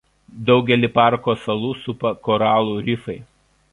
Daugelį parko salų supa koralų rifai.